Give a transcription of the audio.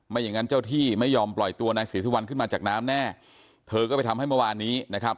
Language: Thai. อย่างนั้นเจ้าที่ไม่ยอมปล่อยตัวนายศรีสุวรรณขึ้นมาจากน้ำแน่เธอก็ไปทำให้เมื่อวานนี้นะครับ